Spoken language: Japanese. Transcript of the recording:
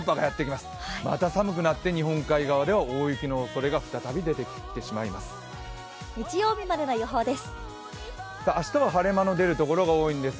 また寒くなって日本海側では大雪のおそれが再び出てきてしまいます。